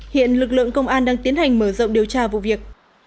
hiện lực lượng công an đang tiến hành mở rộng điều tra vụ việc